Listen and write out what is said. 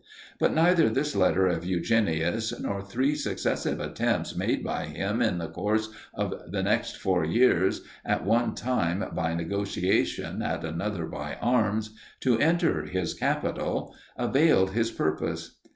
But neither this letter of Eugenius, nor three successive attempts made by him in the course of the next four years, at one time by negotiation, at another by arms, to enter his capital, availed his purpose.